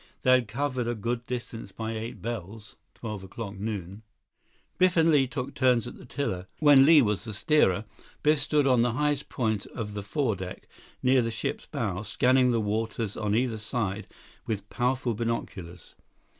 They had covered a good distance by eight bells, twelve o'clock noon. Biff and Li took turns at the tiller. When Li was the steerer, Biff stood on the highest point of the foredeck, near the ship's bow, scanning the waters on either side with powerful binoculars.